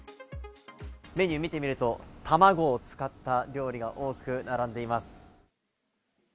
メニューを見てみると、たまごを使った料理が多く並んでいます。